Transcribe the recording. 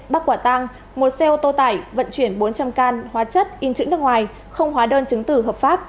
bắt quả tăng một xe ô tô tải vận chuyển bốn trăm linh can hóa chất in chữ nước ngoài không hóa đơn chứng tử hợp pháp